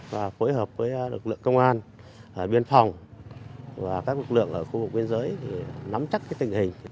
và phối hợp với lực lượng công an biên phòng và các lực lượng ở khu vực biên giới nắm chắc tình hình